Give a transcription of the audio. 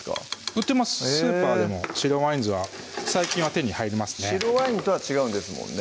売ってますスーパーでも白ワイン酢は最近は手に入りますね白ワインとは違うんですもんね